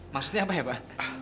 maksudnya apa ya pak